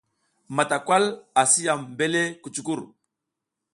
Matawal asi yam mbele kucuckur.